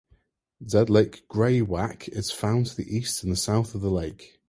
Zed Lake greywacke is found to the east and the south of the lake.